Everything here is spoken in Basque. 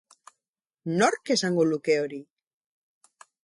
Nork esango luke hori?